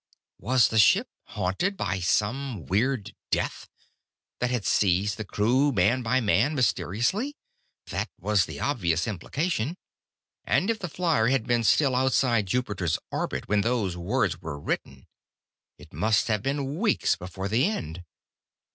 Was the ship haunted by some weird death, that had seized the crew man by man, mysteriously? That was the obvious implication. And if the flier had been still outside Jupiter's orbit when those words were written, it must have been weeks before the end.